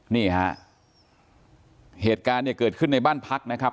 นี่ฮะเหตุการณ์เนี่ยเกิดขึ้นในบ้านพักนะครับ